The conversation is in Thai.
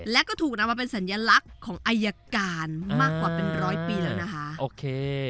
และก็ถูกนำมาเป็นสัญลักษณ์ของอายการมากกว่าเป็นร้อยปีแล้วนะคะโอเค